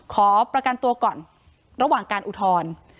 ขอประกันตัวก่อนระหว่างการอุทธรณ์